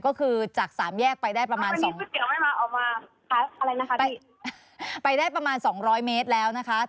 ก็คือจากสามแยกไปได้ประมาณสองออกมาอะไรนะคะไปได้ประมาณสองร้อยเมตรแล้วนะคะ